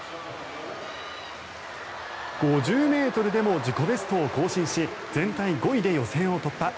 ５０ｍでも自己ベストを更新し全体５位で予選を突破。